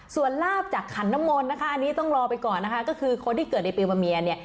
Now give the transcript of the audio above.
ส่วนลาบจากขันน้ำมนต์นะคะอันนี้ต้องรอไปก่อนนะคะก็คือคนที่เกิดในปีมะเมียเนี่ย